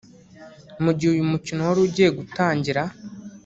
Mu gihe uyu mukino wari ugiye gutangira